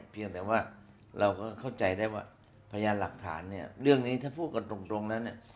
เพียงแต่ว่าเราก็เข้าใจได้ว่าพยานหลักฐานเนี่ยเรื่องนี้ถ้าพูดกันตรงแล้วเนี่ย